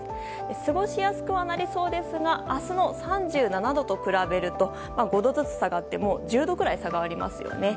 過ごしやすくはなりそうですが明日の３７度と比べると５度ずつ下がって１０度ぐらい、差がありますよね。